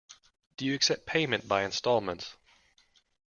Do you accept payment by instalments?